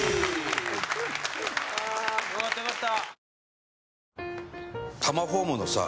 よかったよかった。